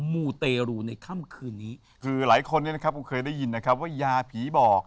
มูเตรูในค่ำคืนนี้คือหลายคนเนี่ยนะครับคงเคยได้ยินนะครับว่ายาผีบอก